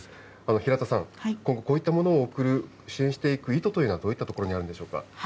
平田さん、こういったものを送る、支援していく意図というのはどういったところにあるんでしょうか。